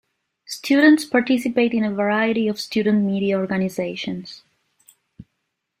Students participate in a variety of student media organizations.